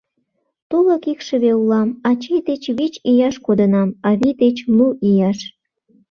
Тулык икшыве улам: ачий деч вич ияш кодынам, авий деч лу ияш.